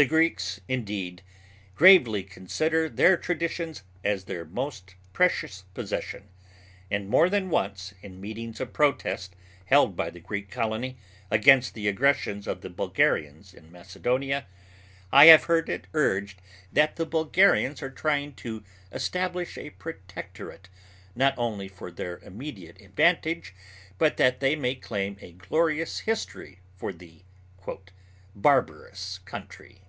The Greeks indeed gravely consider their traditions as their most precious possession and more than once in meetings of protest held by the Greek colony against the aggressions of the Bulgarians in Macedonia, I have heard it urged that the Bulgarians are trying to establish a protectorate, not only for their immediate advantage, but that they may claim a glorious history for the "barbarous country."